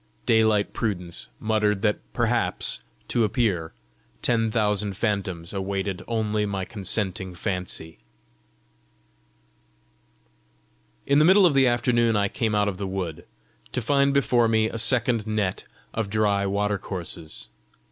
Daylight prudence muttered that perhaps, to appear, ten thousand phantoms awaited only my consenting fancy. In the middle of the afternoon I came out of the wood to find before me a second net of dry water courses.